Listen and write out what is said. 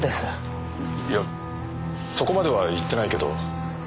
いやそこまでは言ってないけど。